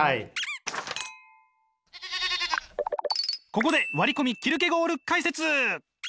ここで割り込みキルケゴール解説！